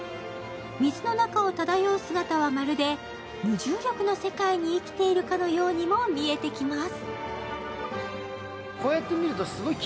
水の中を漂う姿は、まるで無重力の世界に生きているかのようにも見えてきます。